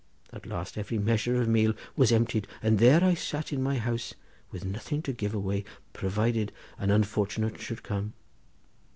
At last every measure of meal was emptied, and there I sat in my house with nothing to give away provided an unfortunate should come.